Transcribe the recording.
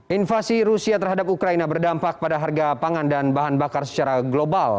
invasi rusia terhadap ukraina berdampak pada harga pangan dan bahan bakar secara global